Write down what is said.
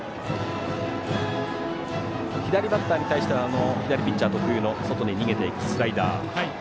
左バッターに対しては左ピッチャー特有の外に逃げていくスライダー。